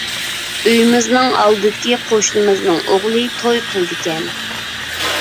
ئۆيىمىزنىڭ ئالدىدىكى قوشنىمىزنىڭ ئوغلى توي قىلىدىكەن.